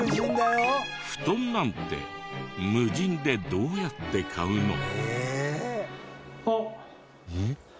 布団なんて無人でどうやって買うの？